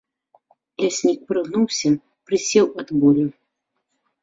Ляснік прыгнуўся, прысеў ад болю.